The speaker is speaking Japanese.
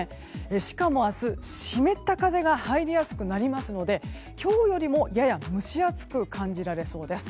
しかも明日は湿った風が入りやすくなりますので今日よりもやや蒸し暑く感じられそうです。